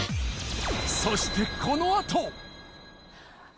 そしてこのあと。